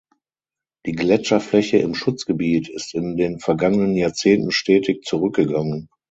Die Gletscherfläche im Schutzgebiet ist in den vergangenen Jahrzehnten stetig zurückgegangen.